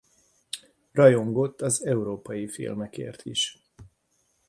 Rajongott az európai filmekért is.